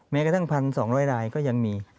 แม้กระทั่งพันสองร้อยรายก็ยังมี